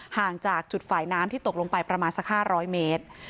ห่างจากจุดฝ่ายน้ำที่ตกลงไปประมาณสัก๕๐๐เมตร